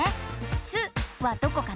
「す」はどこかな？